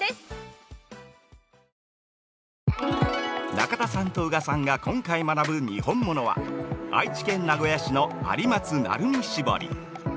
◆中田さんと宇賀さんが今回学ぶ、にほんものは愛知県名古屋市の「有松・鳴海絞り」。